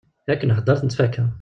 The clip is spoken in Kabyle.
Yak nhedder nettfaka.